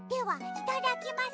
いただきます。